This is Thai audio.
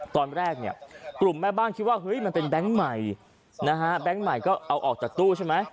ตอนแรกเนี่ยกลุ่มแม่บ้านคิดว่าเฮ้ยมันเป็นแบงค์ใหม่นะฮะแบงค์ใหม่ก็เอาออกจากตู้ใช่ไหม